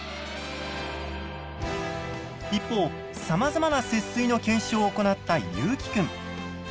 一方さまざまな節水の検証を行ったゆうきくん。